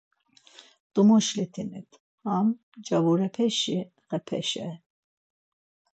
Domoçulet̆init ham cavurepeşi xepeşe.